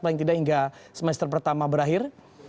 paling tidak hingga semester pertama berakhir